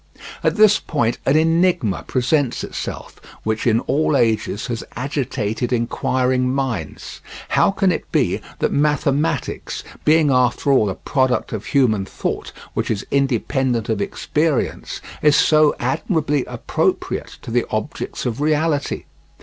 At this point an enigma presents itself which in all ages has agitated inquiring minds. How can it be that mathematics, being after all a product of human thought which is independent of experience, is so admirably appropriate to the objects of reality?